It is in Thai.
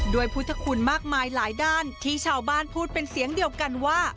พุทธคุณมากมายหลายด้านที่ชาวบ้านพูดเป็นเสียงเดียวกันว่า